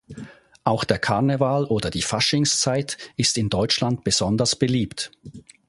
Auch der Karneval oder die Faschingszeit ist in Deutschland besonders beliebt.